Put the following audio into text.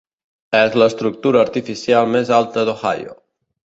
És l'estructura artificial més alta d'Ohio.